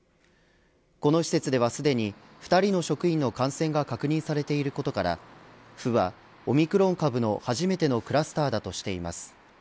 この施設ではすでに２人の職員の感染が確認されていることから府は、オミクロン株の初めてのクラスターだとしています。